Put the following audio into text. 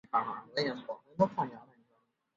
管辖约今北港一带区域。